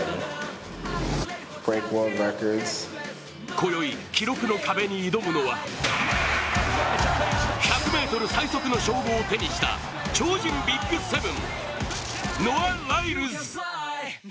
今宵記録の壁に挑むのは１００ｍ最速の称号を手にした超人ＢＩＧ７、ノア・ライルズ。